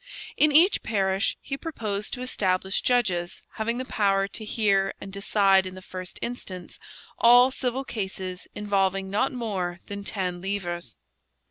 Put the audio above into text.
In each parish he proposed to establish judges having the power to hear and decide in the first instance all civil cases involving not more than ten livres.